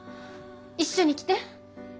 一緒に来て。